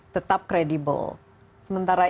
tetap kredibel sementara